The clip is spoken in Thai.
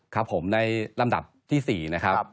ครับผมในลำดับที่๔นะครับ